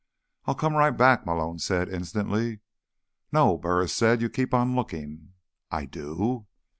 "I'll come right back," Malone said instantly. "No," Burris said. "You keep on looking." "I do?"